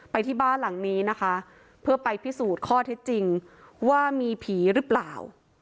ที่บ้านหลังนี้นะคะเพื่อไปพิสูจน์ข้อเท็จจริงว่ามีผีหรือเปล่า